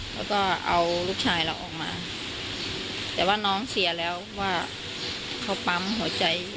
แล้วก็เอาลูกชายเราออกมาแต่ว่าน้องเสียแล้วว่าเขาปั๊มหัวใจ